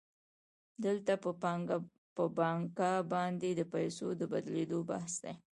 دلته په پانګه باندې د پیسو د بدلېدو بحث دی